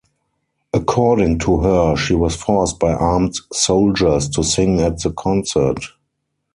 According to her, she was forced by armed soldiers to sing at the concert.